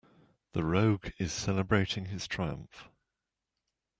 The rogue is celebrating his triumph.